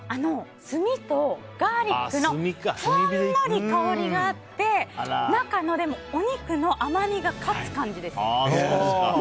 炭とガーリックのほんのり香りがあって中のお肉の甘みが勝つ感じです。